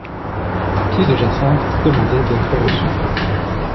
Pied-de-Jacinthe demandait d'être reçu.